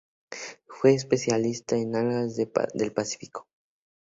Fue especialista en algas del Pacífico.